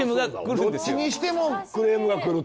どっちにしてもクレームが来ると。